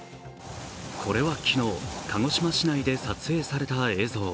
これは昨日、鹿児島市内で撮影された映像。